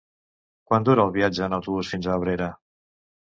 Quant dura el viatge en autobús fins a Abrera?